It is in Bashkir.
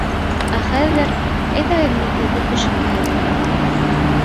Ә хәҙер, әйҙәгеҙ, мин һеҙҙе түшәккә ятҡырам.